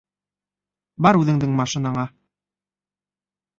Бар үҙеңдең машинаңа.